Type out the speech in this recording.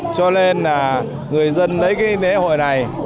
cho nên là người dân lấy cái lễ hội này